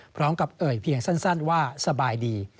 พร้อมกับเอ่ยเพียงสั้นว่าสบายดี